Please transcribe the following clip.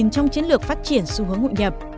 nhìn trong chiến lược phát triển xu hướng ngụy nhập